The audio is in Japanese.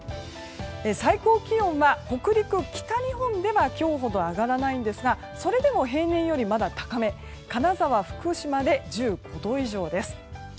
最高気温は北陸、北日本では今日ほど上がらないんですがそれでも平年よりまだ高め金沢、福島で１５度以上です。